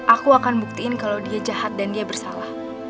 aku akan buktiin kalau dia jahat dan dia bersalah